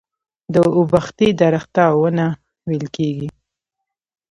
د اوبښتې درخته ونه ويل کيږي.